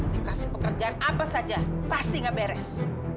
dikasih pekerjaan apa saja pasti gak beres